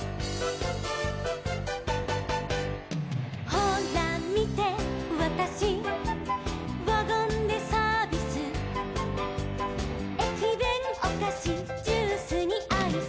「ほらみてワタシワゴンでサービス」「えきべんおかしジュースにアイス」